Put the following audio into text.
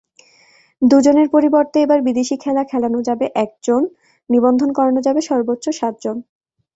দুজনের পরিবর্তে এবার বিদেশি খেলানো যাবে একজন, নিবন্ধন করানো যাবে সর্বোচ্চ সাতজন।